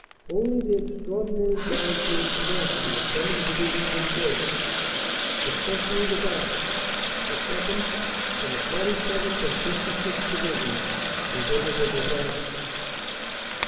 Only the extraordinary gallantry and tenacity of some of the divisions engaged, especially the Guards, the 2nd., and the 47th. and 56th. Divisions, prevented a disaster.